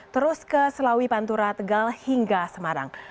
terus ke selawi pantura tegal hingga semarang